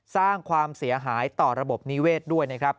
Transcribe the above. สร้างความเสียหายต่อระบบนิเวศด้วยนะครับ